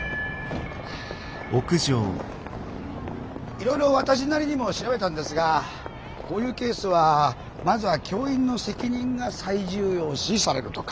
いろいろ私なりにも調べたんですがこういうケースはまずは教員の責任が最重要視されるとか。